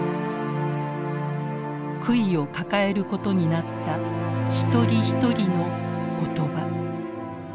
悔いを抱えることになった一人一人の言葉。